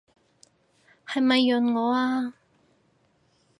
係咪潤我啊？